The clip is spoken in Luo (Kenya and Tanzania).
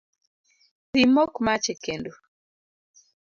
Dhi imok mach e kendo